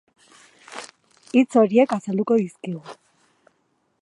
Hitz horiek azalduko dizkigu.